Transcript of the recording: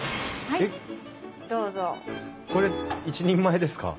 えっこれ１人前ですか？